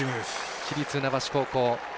市立船橋高校。